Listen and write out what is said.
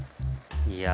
いや。